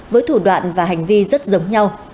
với thủ đoạn và hành vi rất giống nhau